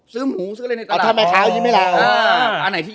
ซื้อหมูซื้ออะไรในตลาด